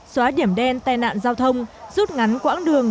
xóa điểm đen tai nạn giao thông rút ngắn quãng đường